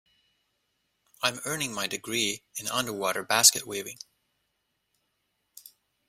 I'm earning my degree in underwater basket weaving.